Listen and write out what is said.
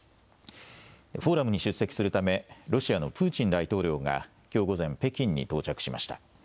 フォーラムに出席するため、ロシアのプーチン大統領がきょう午前、北京に到着しました。